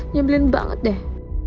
nyebelin banget deh